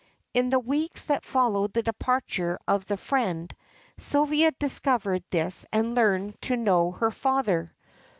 In the weeks that followed the departure of the friends, Sylvia discovered this and learned to know her father.